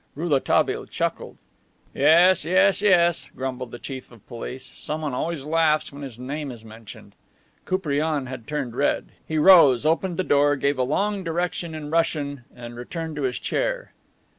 Rouletabille chuckled. "Yes, yes, yes," grumbled the Chief of Police. "Someone always laughs when his name is mentioned." Koupriane had turned red. He rose, opened the door, gave a long direction in Russian, and returned to his chair.